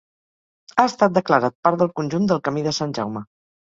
Ha estat declarat part del conjunt del Camí de Sant Jaume.